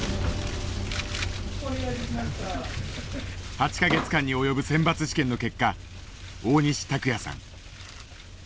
８か月間に及ぶ選抜試験の結果大西卓哉さん。